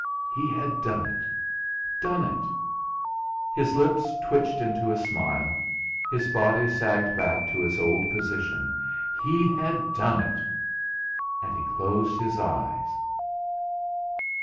He had done it done it! His lips twitched into a smile; his body sagged back to its old position. He had done it! And he closed his eyes